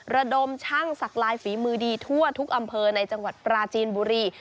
ระดมช่างสักลายฝีมือดีทั่วทุกอำเภอในจังหวัดปราจีนบุรี